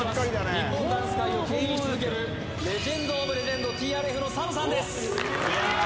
日本ダンス界をけん引し続けるレジェンド・オブ・レジェンドＴＲＦのＳＡＭさんですすげえ！